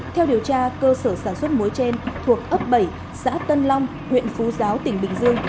theo điều tra cơ sở sản xuất muối trên thuộc ấp bảy xã tân long huyện phú giáo tỉnh bình dương